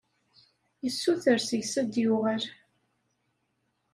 Yessuter seg-s ad d-yuɣal.